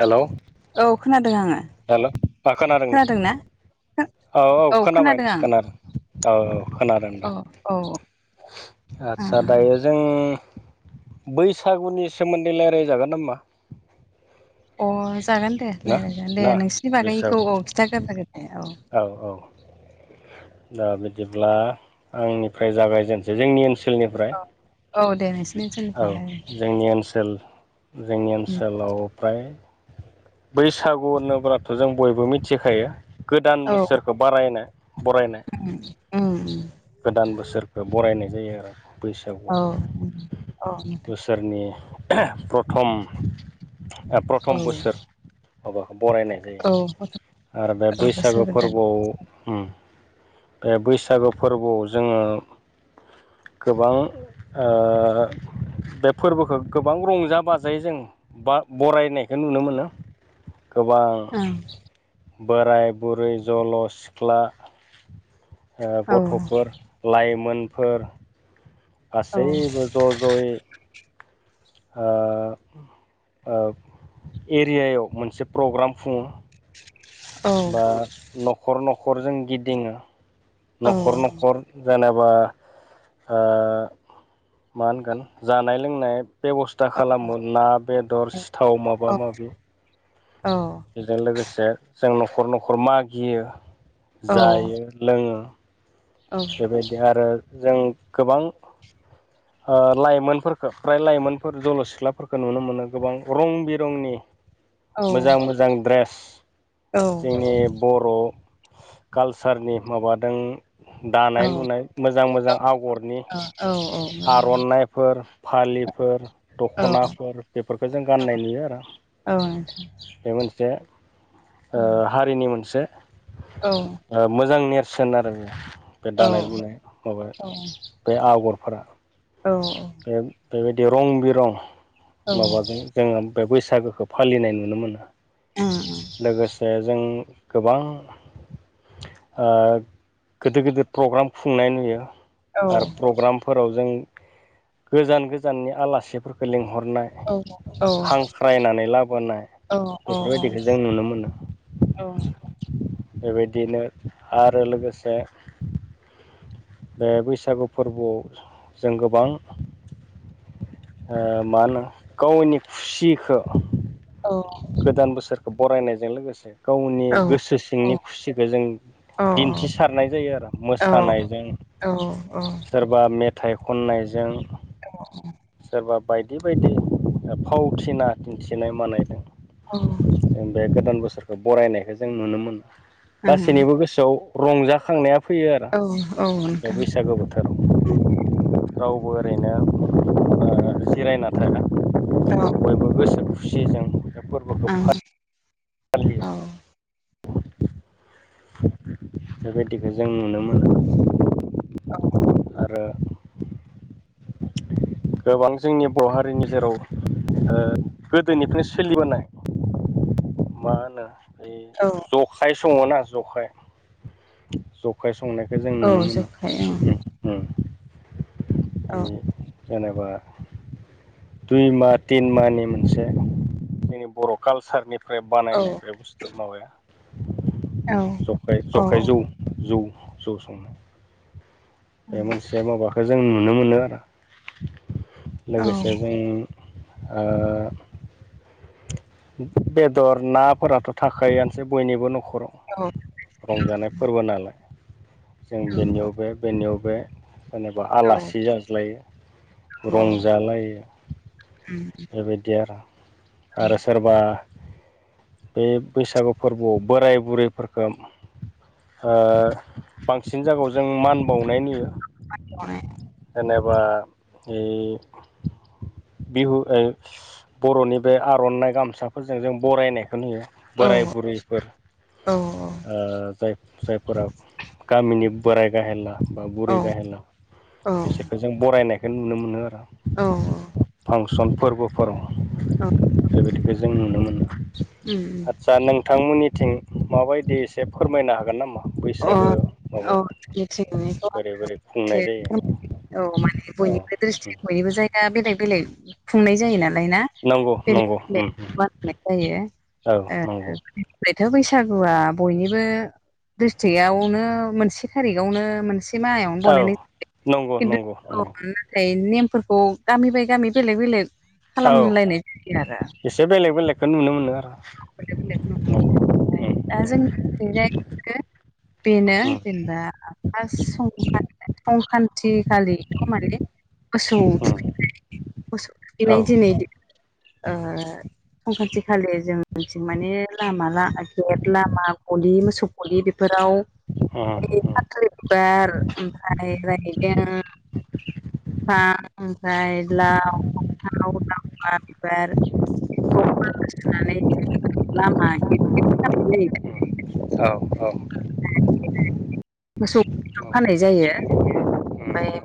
Hello औ खोनादो आङो हेल' मा खोनादोंना खोनादोंनो औ औ खोनाबाय खोनादों आं खोनादों औ औ खोनादों दा औ आदसा दायो जों बैसागुनि सोमोन्दै लायराय जागोन नामा? अ जागोन दे ना लायरायजागोन दे ना नोंसिनि बागैखौ बैसागु औ खिथाग्रोनांगोन दे औ औ औ दा बिदिब्ला आंनिफ्राय जागायजेनसै जोंनि ओनसोलनिफ्रा औ औ दे नोंसिनि औ ओनसोलनिफ्राय रायलाय जोंनि ओनसोल जोंनि ओनसोलाव फ्राय बैसागु होनोब्लाथ' जों बयबो मिथिखायो गोदान औ बोसोरखौ बारायना बरायनाय। उम उम गोदान बोसोरखौ बरायनाय जायो आरो बैसागुआ औ औ नोंथां बोसो सोरनि प्रथम ओ औ प्रथम बोसोर। माबाखो बरायनाय जाय औ खोथो आरो बे बैसागो फोरबोआव उम बे बैसागो फोरबोआव जोङो गोबां ओ बे फोरबोखौ गोबां रंजा बाजायै जों बा बरायनायखो नुनो मोनो। गोबां ओं बोराय बुरै जल' सिख्ला औ ओ गथ'फोर लाइमोनफोर औ गासैबो ज' ज'यै ओ ओ एरियायाव मोनसे प्रग्राम खुङो। औ बा न'खर न'खर जों गिदिङो। औ न'खर न'खर जेनेबा ओ मा ओनगोन जानाय लोंनाय बेब'स्था औ खालामो ना बेदर सिथाव माबा माबि अ बेजों लोगोसे जों न'खर न'खर मागियो औ जायो लोङो बेबायदि आरो जों गोबां [inaudible] ओ लाइमोनफोरखौ फ्राय लाइमोनफोर जल' सिख्लाफोरखौ नुनो मोनो गोबां रं बिरंनि [inaudible] मोजां मोजां द्रेस जोंनि बर' कालसारनि माबादों दानाय लुनाय मोजां मोजां आगरनि औ अ आर'नाइफोर, फालिफोर, औ दख'नाफोर बेफोरखौ जों गाननाय नुयो आरो अ बे मोनसे ओ हारिनि मोनसे औ ओ मोजां नेरसोन आरो बे औ दानाय लुनाय माबा बे आगरफोरा औ अ बे बेबायदि रं बिरं माबाजों जोङो बे बैसागोखौ फालिनाय नुनो मोनो। ओ ओ लोगोसे जों गोबां ओ गोदोद गोदोद प्रग्राम खुंनाय नुयो आरो प्रग्रामफोराव जों गोजान गोजाननि आलासिफोरखौ लिंहरनाय हांख्रायनानै लाबोनाय बेफोरबायदिखौ जों नुनो मोनो औ बेबायदिनो आरो लोगोसे बे बैसागु फोर्बोआव जों गोबां ओ माहोनो गावनि खुसिखो औ गोदान बोसोरखो बरायनायजों लोगोसे गावनि गोसो सिंनि खुसिखो जों दिन्थिसारनाय जायो आरो मोसानायजों औ औ अ सोरबा मेथाइ खननायजों [inaudible] सोरबा बायदि बायदि ओ फावथिना दिन्थिनाय मानायदों बे गोदान बोसोरखो बरायनायखो जों नुनो मोनो गासैनिबो गोसोआव रंजाखांनाया फैयो आरो उम औ बे नोंथां औ बैसागो बोथोर राव रावबो ओरैनो ओ जिरायना थाला औ। गोसो खुसि जों बे फोर्बोखौ फालियो। औ बेबायदिखो जों नुनो मोनो। आरो गोबां जोंनि बर' हारिनि जेराव ओ गोदोनिफ्राय सोलिबोनाय मा होनो ओइ औ जखाय सङोना जखाय जखाय संनायखो जों औ नुनो मोनो जखाय उम उम औ। जेनेबा दुइ माह तिन मानि मोनसे जोंनि बर' कालसारनि फ्राय औ बानायनाय बे बुस्थु माबाया औ उम जखाय औ जख जौ जौ संनाय बे उम मोनसे माबाखो जों नुनो मोनो आरो औ लोगोसे जों ओ बेदर, नाफोराथ' थाखायोआनोसै बयनिबो न'खराव। औ। रंजानाय फोर्बो नालाय जों बेनियाव बे बेनियाव बे जेनेबा आलासि जाज्लायो रंजालायो। बेबायदि आरो आरो सोर बा बे बैसागु फोर्बोआव बोराय बुरैफोरखो ओ बांसिन जागायाव जों मान बावनाय नुयो। मान बावनाय जेनेबा ए बिहु ए बर'नि बे आर'नाइ गामसाफोरजों जों बरायनायखो नुयो। बोराइ बुरिफोर औ। ओ जाय जायफोरा गामिनि बोराइ गाहेनला बा बुरै गाहेनला बिसोरखो जों बरायनायखो नुनो मोनो आरो। औ। फांसन फोरबोफोराव। औ बेबायदिखो जों नुनो मोनो अ आदसा नोंथांमोननिथिं माबायदि एसे फोरमायनो हागोन नामा? अ बैसागो औ [inaudible] माबायाव बोरै बोरै खुंनाय जायो औ माने औ बयनिबो द्रिस्टिक बयनिबो जायगा बेलेग बेलेग खुंनाय जायो नालाय ना? नंगौ बेलेग नंगौ बेलेग बानायनाय जायो ओ। औ नंगौ बेथो बैसागुआ बयनिबो डिस्ट्रिकटआवनो मोनसे थारिखावनो मोनसे मोनसे माहयावनो औ बनाय [inaudible] नंगौ खिन्थु नंगौ [inaudible] नंगौ ओमफ्राय नेमफोरखौ गामि बाय गामि बेलेग बेलेग खालामलायनाय जायो आरो। बे बेलेग बेलेगखो नुनो मोनो आर' बेलेग बेलेग नुनो मोनो दा जोंनि थिंजायनो बेनो जेनेबा फार्स्ट सं [inaudible] संख्रान्तिखालि [inaudible] मोसौ उम थुखैनाय मोसौ औ थुखैनाय दिनै ओ संक्रान्ति खालि जों थिं माने लामा लामा गेत लामा गलि मोसौ गलि बेफोराव उम खाथलि बिबार ओमफ्राय रायदें फा ओमफाय [inaudible] बिबार खौ माला सुनानै लामा गेत गेत खानाय जायो। औ औ मोसौ थुखैनायाव खानाय जायो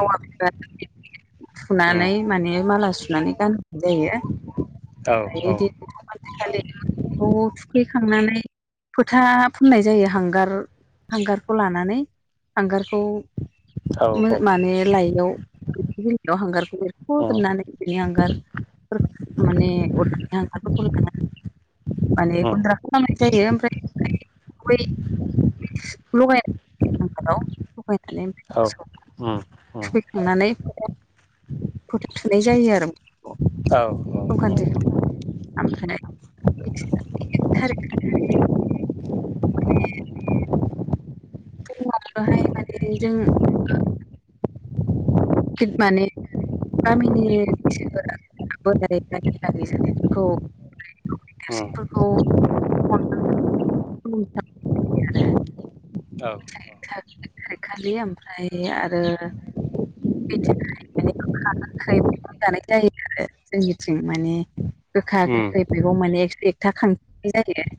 ओमफ्राय [inaudible] [inaudible] थुनानै माने माला सुनानै गानहोनाय जायो। ओमफ्राय दिनखालिनो खौ थुखैखांनानै फोथा फोननाय जायो हांगार हांगारखौ लानानै हांगारखौ मो माने लाइआव [inaudible] हांगारखौ एरख' जोबनानै बिनि हांगारफोरखौ माने अरखिनि हांगार फोरखौ लानानै माने गुन्द्रा खालामनाय जायो ओमफाय ओमफाय बै लगायनानै [inaudible] लगायनानै मोसौ थुखैखांनानै [inaudible] फोथा थुनाय जायो आरो मोसौखौ औ संक्रान्टिखौ आमफ्राय [inaudible] [inaudible] खौहाय माने जों [inaudible] माने गामिनि [inaudible] [inaudible] खौ अनानै [inaudible] [inaudible] खालि ओमफ्राय आरो बिदि गोखा गोखै बिफोर जानाय टाइन आरो जोंनिथिं माने गोखा उम गोखै मैगं माने एक्स' एक था खांनाय जायो।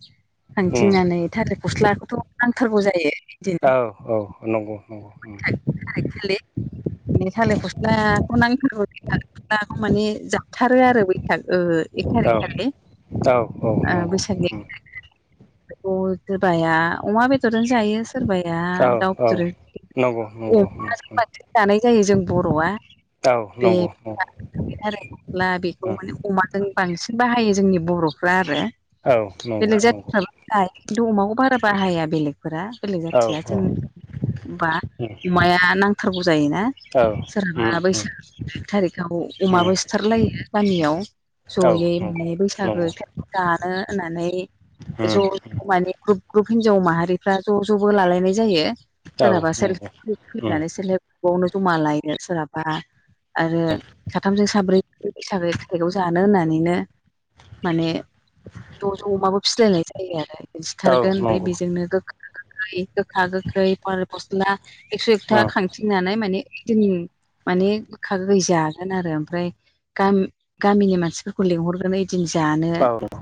उम खांथिंनानै थालिर फस्लाखौथ' नांथारगौ जायो। ओइदिन औ औ नंगौ नंगौ उम [unintelligible] दाखौ माने जाथारो आरो बैसाग ओ एक औ थारिक खालि औ ओ उम उम औ उम बैसागो [unintelligible] बेखौ सोरबाया अमा बेदरजों जायो सोरबा मा औ [unintelligible] दाउ बेदर उम औ उम औ नंगौ नंगौ उम अमाजों औ फाथो जानाय जायो जों बर'आ। औ नंगौ उम बेथ आरोला बेखौ औ माने। अमाजों बांसिन बाहायो जोंनि बर'फ्रा आरो औ नंगौ नंगौ उम औ नंगौ उम औ नंगौ बेलेग नंगौ जाथिफ्राबो [unintelligible] जिन्थु अमाखौ बारा बाहाया बेलेगफोरा बेलेग जाथिया औ जों औ होमबा उम अमाया नांथारगौ जायोना औ उम सोरहाबा उम बैसाग एक थारिक याव उम अमाबो सिथारलायो गामियाव औ जयै नंगौ माने बैसागो नंगौ जानो होननानै ज' उम ज' माने ग्रुप ग्रुप हिनजाव माहारिफ्रा ज' ज'बो लालायनाय जायो औ सोरहाबा सेल्फ नंगौ ग्रुप उम फनानै सेल्फ हेल्प ग्रुपआवनो जमा लायो सोरहाबा आरो साथामजों साब्रैनि थाखाय थाइगं जानो होननानैनो माने ज' ज' अमाबो फिलायनाय जायो आरो सिथारगोन औ ओमफ्राय नंगौ बेजोंनो गोखा गोखै गोखा गोखै थालेर फस्ला एक्स' एकथा उम खांथिंनानै माने ओइदिन माने गोखा गोखै जागोन आरो ओमफ्राय गाम गामिनि मानसिफोरखौ लिंहरनानै दिन जानो ओम औ उम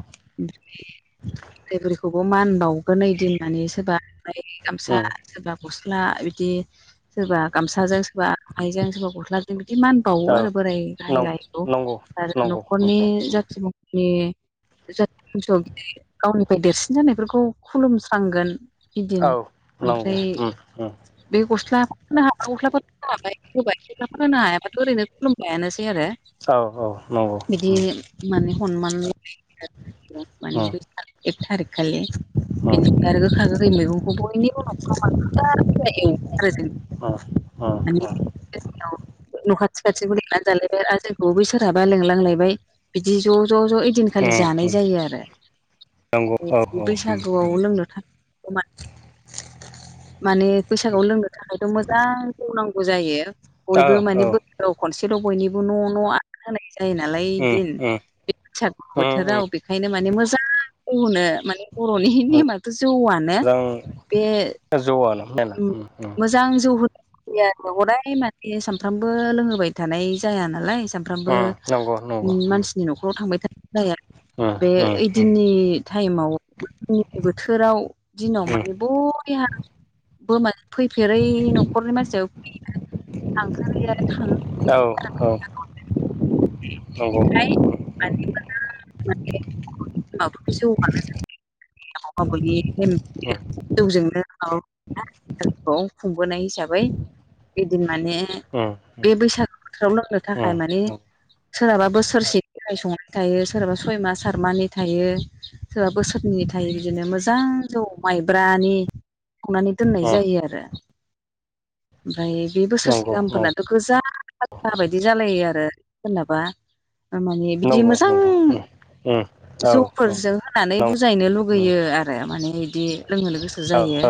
ग्रिखौबो मान बावगोन ओइदिन मानि सोरबा औ गामसा नं सोरबा गस्ला बिदि सोरबा गामसाजों सोरबा आरननायजों सोरबा गस्लाजों बिदि मान बावो आरो बोराय गाहाय नंगौ गाहायखौ नंगौ आरो नंगौ न'खरनि उम जाथि बं [unintelligible] गावनिफ्राय देरसिन जानायफोरखौ खुलुमस्रांगोन ऐदिन औ नंगौ ओमफ्राय। उम उम औ बे गस्ला [unintelligible] होबाय‌। गस्लाफोर होनो हायाबाथ' ओरैनो खुलुमनायानोसै आरो। औ औ नंगौ बिदि ओम। माने ह'नमान माने एक थारिख खालि बेनिफ्राय आरो गोखा गोखै मैगंखौ बयनि नखराव [unintelligible] अ अ। जोंनिआव न' खाथि खाथिखौ लेंनानै जालायबाय आरो जोंखौ बै सोरहाबा लेंलांलायबाय बिदि ज' ज' ज' ओइदिनखालि जानाय जायो आरो। नंगौ औ उम बैसागुआव लोंनोथाखै माने माने बैसागुआव लोंनो थाखायथ' मोजां जौ नांगौ जायो ओ बयबो औ माने औ खनसेल' बयनिबो न' न' होनाय जायो नालाय उम ओइदिन उम बे बैसागु उम बोथोराव उम बेखायनो माने मोजां ग'होनो माने बर'नि नेमाथ' जौआनो मोजां बे उम [unintelligible] मोजां जौ होयो हदाय माने सानफ्रामबो लोंहोबाय थानाय जाया नालाय साम फ्रामबो उम नंगौ नंगौ उम मानसिनि न'खराव थांबाय थानाय जाया उम बे उम ओइदिननि टाइमाव [unintelligible] बोथोराव दिनाव उम माने बयहाबो [unintelligible] औ औ नंगौ औ [unintelligible] औ [unintelligible] उम जौजोंनो [unintelligible] खुंबोनाय हिसाबै इदिन माने बे बैसागु बोथोराव लोंनो थाखाय माने सोरहाबा बोसोरसेनि थाखाय संनाय थायो सोरहाबा सय मास सात मारनि थायो सोरबा बोसोरनै थायो बिदिनो मोजां जौ माइब्रानि संनानै दोननाय जायो आरो ओमफाय बे नंगौ औ बोसोरसे गाहामफोरनाथ' गोजा बथा बायदि जालायो आरो सोरनाबा थारमाने बिदि नंगौ औ मोजां जौफोरजों होनानै बुजायनो लुगैयो आरो माने इदि लोंहोनो गोसो जायो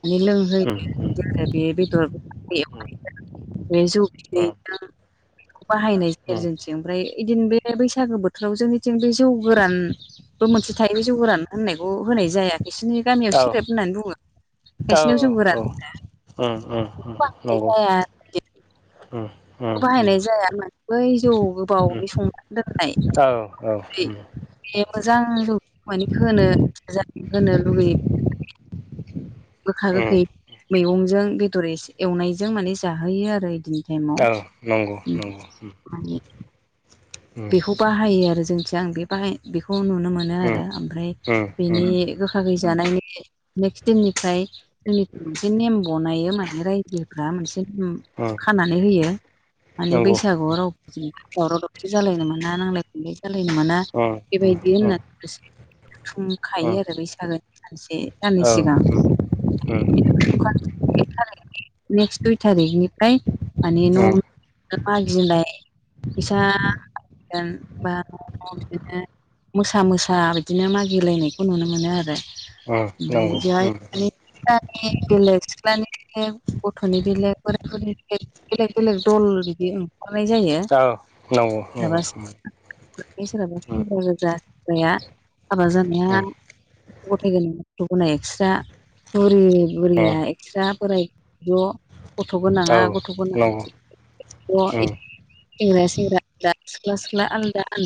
माने लोंहोयो बिदि आरो बे बेदर खाजि एवनायजों बे जौ औ बिदैजों बाहायनाय जायो आरो नंगौ जोंथिं ओमफ्राय ऐदिन बे बैसागो बोथोराव जोंनिथिं बे जौ गोरान बो मोनसे थायो जौ गोरान होननायखौ होनाय जाया खायसेनि गामियाव सेरेब होननानै बुंङो खायसेनाव जौ गोरान होनो [unintelligible] बेखौ बाहायनाय जाया मानो बै जौ गोबावै संनानै दोननाय बे मोजां जौ माने होनो होनो लुगैयो गोखा गोखै मैगंजों बेदर एसे एवनायजों माने जाहोयो आरो ऐदिनि टाइमाव औ नंगौ नंगौ माने उम बेखौ बाहायो आरो जोंनिथिं आं बे बाहाय बेखौ नुनो मोनो आरो ओमफ्राय बेनि गोख- खा खै जानायनि नेक्स्ट दिमनिफ्राय जोंनिथिं मोनसे नेम ब'नायो माने रायजोफ्रा मोनसे नेम खानानै होयो माने नंगौ बैसागुआव रावजों दावराव दावसि जालायनो मोना नांलाय खमलाय जालायनो मोना औ बेबायायदि होनना माखासे थुमखायो आरो बैसागोनि सानसे दाननै सिगां [unintelligible] नेक्स दुइ टारिखनिफ्राय माने न' फैसा मागिनबाय फैसाहोगोन बा न'आव बिदिनो मोसा मोसा बिदिनो मागिलानायखौ नुनो मोनो आरो ओमफ्राय नंगौ बेवहाय माने [unintelligible] दल बिदि ओंखारनाय जायो औ नंगौ एबा नंगौ उम [unintelligible] हाबा जानाया उम गथाय गोनां गथ' गोनांआ एक्स्रा बुरि बुरिया उम बिस्रा बोराय ज' गथ' औ गोनाङा गथ' गोनां नंगौ बिदि ज' उम सेंग्राया सेंग्रा सिख्ला सिख्ला आलदा